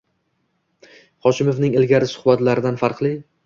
Hoshimovning ilgari suhbatlaridan farqli